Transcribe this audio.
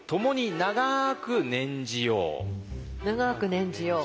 長く念じよう。